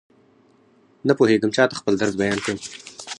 نپوهېږم چاته خپل درد بيان کړم.